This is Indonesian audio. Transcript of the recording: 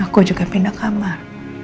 aku juga pindah kamar